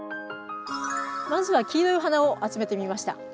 まずは黄色いお花を集めてみました。